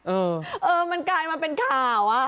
เออเออมันกลายมาเป็นข่าวอะ